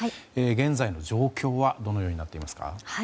現在の状況はどのようになっていますか？